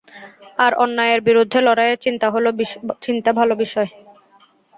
আর অন্যায়ের বিরুদ্ধে লড়াইয়ের চিন্তা ভালো বিষয়।